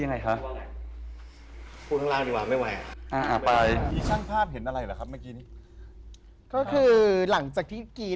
นั่งรถคือยังไงคะ